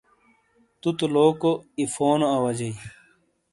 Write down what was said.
تُو تو لوکو اِیفونو اواجئی۔